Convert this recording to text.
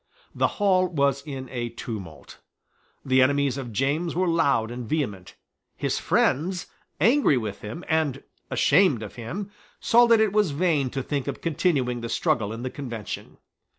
The hall was in a tumult. The enemies of James were loud and vehement. His friends, angry with him, and ashamed of him, saw that it was vain to think of continuing the struggle in the Convention.